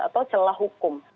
atau celah hukum